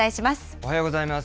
おはようございます。